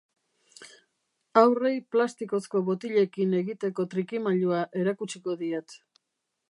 Haurrei plastikozko botilekin egiteko trikimailua erakutsiko diet.